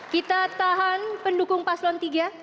kita tahan pendukung paslon tiga